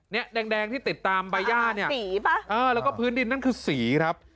เนี้ยแดงที่ติดตามอ่าสีป่ะเออแล้วก็พื้นดินนั่นคือสีครับ